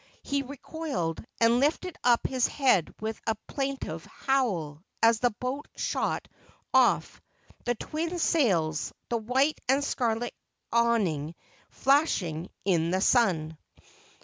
He recoiled, and lifted up his head with a plaintive howl as the boat shot off, the twin sails, the white and scarlet awning, flashing in the sun.